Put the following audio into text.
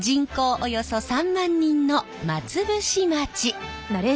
およそ３万人の松伏町。